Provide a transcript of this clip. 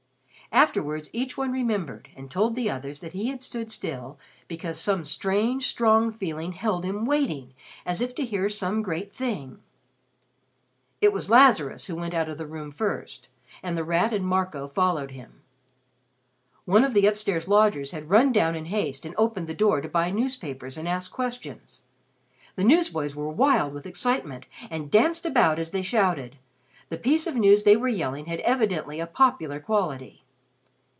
Afterwards each one remembered and told the others that he had stood still because some strange, strong feeling held him waiting as if to hear some great thing. It was Lazarus who went out of the room first and The Rat and Marco followed him. One of the upstairs lodgers had run down in haste and opened the door to buy newspapers and ask questions. The newsboys were wild with excitement and danced about as they shouted. The piece of news they were yelling had evidently a popular quality.